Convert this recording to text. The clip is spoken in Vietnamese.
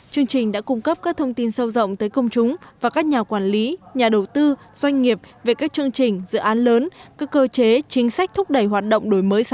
chương trình đã cung cấp các thông tin sâu rộng tới công chúng và các nhà quản lý nhà đầu tư doanh nghiệp về các chương trình dự án lớn các cơ chế chính sách thúc đẩy hoạt động đổi mới